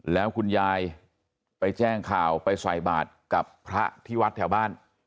แล้วคุณยายไปแจ้งข่าวไปใส่บาทกับพระที่วัดแถวบ้าน